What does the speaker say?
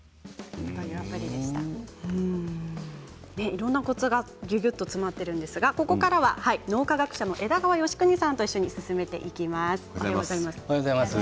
いろいろなコツがぎゅぎゅっと詰まっているんですが、ここからは脳科学者の枝川義邦さんと進めていきます。